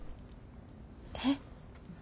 えっ。